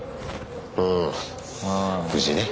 うん無事ね